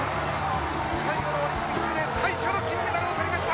最後のオリンピックで最初の金メダルを取りました。